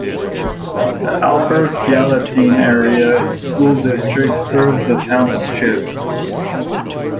The Albert Gallatin Area School District serves the township.